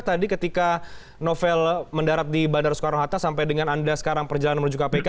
tadi ketika novel mendarat di bandara soekarno hatta sampai dengan anda sekarang perjalanan menuju kpk